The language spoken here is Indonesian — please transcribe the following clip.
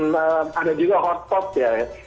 dan ada juga hotpot ya